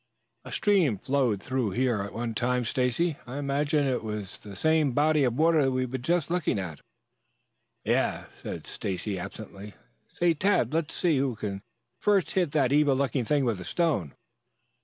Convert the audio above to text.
"A stream flowed through here at one time, Stacy. I imagine that it was the same body of water we've just been looking at." "Yeh," said Stacy absently. "Say, Tad, let's see who can first hit that evil looking thing with a stone."